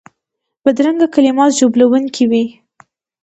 بدرنګه کلمات ژوبلونکي وي